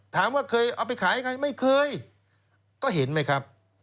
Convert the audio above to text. ถามว่าเคยเอาไปขายยังไงไม่เคยก็เห็นไหมครับ